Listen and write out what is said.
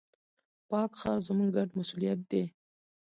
پاک ښار، زموږ ګډ مسؤليت دی.